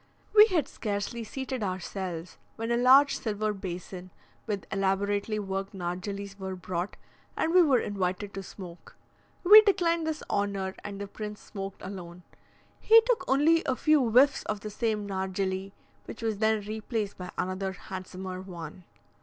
We had scarcely seated ourselves, when a large silver basin with elaborately worked nargillys were brought, and we were invited to smoke. We declined this honour, and the prince smoked alone; he took only a few whiffs from the same nargilly, which was then replaced by another handsomer one.